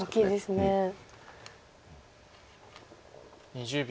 ２０秒。